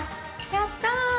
やった！